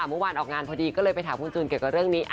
เมื่อวานออกงานพอดีก็เลยไปถามคุณจูนเกี่ยวกับเรื่องนี้